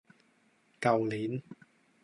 舊年